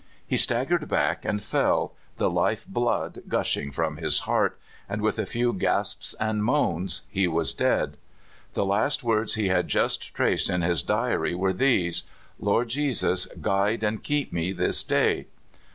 He staggered back and fell, the lifeblood gushing from his heart, and with a few gasps and moans he was dead. The last words he had just traced in his diary were these: Lord Jesus, guide and keep me tliis day."